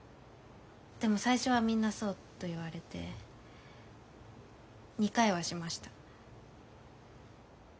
でも「最初はみんなそう」と言われて２回はしました。